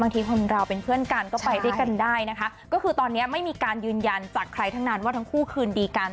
ทีคนเราเป็นเพื่อนกันก็ไปด้วยกันได้นะคะก็คือตอนนี้ไม่มีการยืนยันจากใครทั้งนั้นว่าทั้งคู่คืนดีกัน